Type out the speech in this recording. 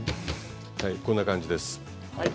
こんな感じです。